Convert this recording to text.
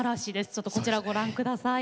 ちょっとこちらをご覧下さい。